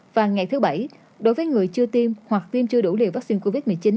và ngày thứ bảy đối với người chưa tiêm hoặc viêm chưa đủ liều vaccine covid một mươi chín